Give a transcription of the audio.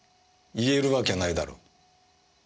言えるわけないだろう。